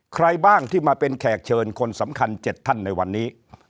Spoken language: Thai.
ใครบ้างที่มาเป็นแขกเชิญคนสำคัญ๗ท่านในวันนี้